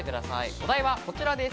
お題はこちらです。